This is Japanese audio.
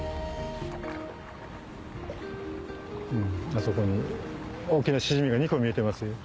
あそこに大きなシジミが２個見えてますよ。